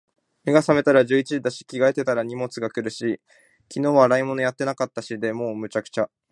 目が覚めたら十一時だし、着替えしてたら荷物が来るし、昨日は洗い物やってなかったしで……もう、滅茶苦茶。